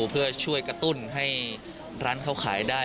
เพื่อช่วยกระตุ้นให้ร้านเขาขายได้